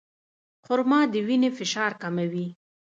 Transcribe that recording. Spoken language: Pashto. خرما د وینې فشار کموي.